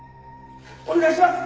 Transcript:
お願いします！